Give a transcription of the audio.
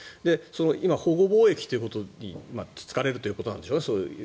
今、保護貿易ということにつつかれるという話でしょ。